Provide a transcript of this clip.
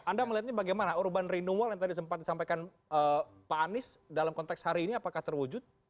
anda melihatnya bagaimana urban renewal yang tadi sempat disampaikan pak anies dalam konteks hari ini apakah terwujud